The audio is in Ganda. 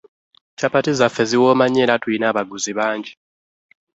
Kyapati zaffe ziwooma nnyo era tulina abaguzi bangi.